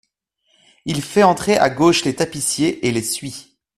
Il fait entrer à gauche les tapissiers et les suit.